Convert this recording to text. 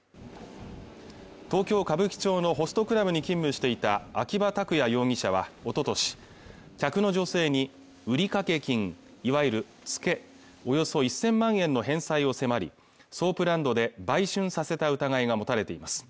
東京歌舞伎町のホストクラブに勤務していた秋葉拓也容疑者はおととし客の女性に売掛金いわゆるツケおよそ１０００万円の返済を迫りソープランドで売春させた疑いが持たれています